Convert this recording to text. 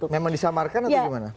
memang disamarkan atau gimana